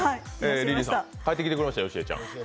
リリー、帰ってきてくれましたよ、よしえちゃん。